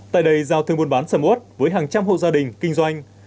tại đây giao thương buôn bán sầm ớt với hàng trăm hộ gia đình kinh doanh